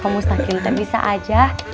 kamu saking tak bisa aja